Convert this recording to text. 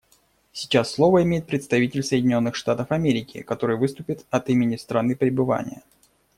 Сейчас слово имеет представитель Соединенных Штатов Америки, который выступит от имени страны пребывания.